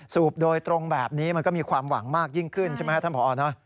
สูบโดยตรงแบบนี้มันก็มีความหวังมากยิ่งขึ้นใช่ไหมครับท่านผอ